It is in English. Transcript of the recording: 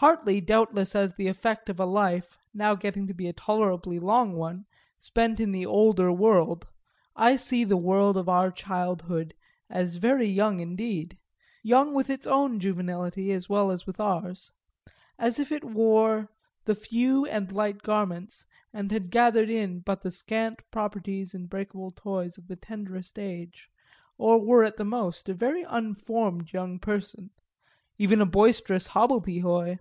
Partly doubtless as the effect of a life, now getting to be a tolerably long one, spent in the older world, I see the world of our childhood as very young indeed, young with its own juvenility as well as with ours; as if it wore the few and light garments and had gathered in but the scant properties and breakable toys of the tenderest age, or were at the most a very unformed young person, even a boisterous hobbledehoy.